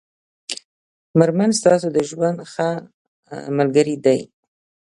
مېرمن ستاسو د ژوند ښه ملګری دی